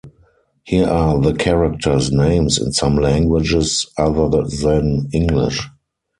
Here are the character's names in some languages other than English.